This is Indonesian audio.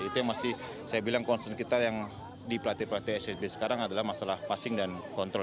itu yang masih saya bilang concern kita yang di pelatih pelatih ssb sekarang adalah masalah passing dan kontrol